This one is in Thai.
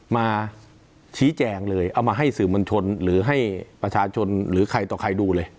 มาชี้แจงเลยเอามาให้สื่อมวลชนหรือให้ประชาชนหรือใครต่อใครดูเลย